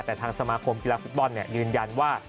แต่ทางสมาคมกีฬาฟุตบอลยืนยันว่า